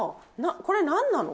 これ、何なの？